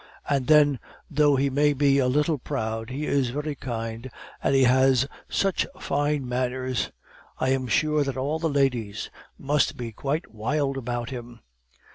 And, then, though he may be a little proud, he is very kind, and he has such fine manners; I am sure that all the ladies must be quite wild about him.